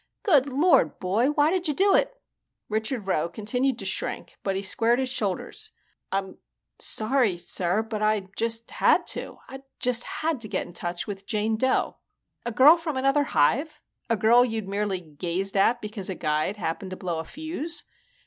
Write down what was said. Good Lord, boy, why did you do it?" Richard Rowe continued to shrink but he squared his shoulders. "I'm sorry, sir, but I just had to. I just had to get in touch with Jane Dough." "A girl from another hive? A girl you'd merely gazed at because a guide happened to blow a fuse?"